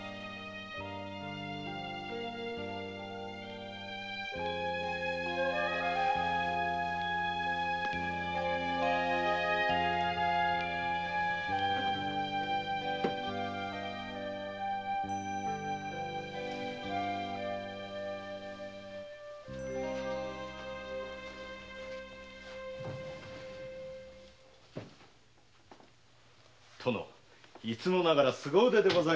いつもながら凄腕でございまするな。